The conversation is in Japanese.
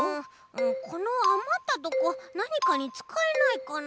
このあまったとこなにかにつかえないかな？